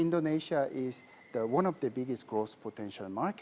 indonesia adalah salah satu perjalanan potensial besar